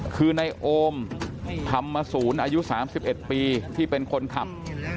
คือในโอมธรรมศูนย์อายุ๓๑ปีที่เป็นคนขับ